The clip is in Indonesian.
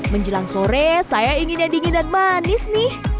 menjelang sore saya ingin yang dingin dan manis nih